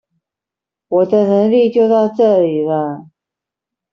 我的能力就到這裡了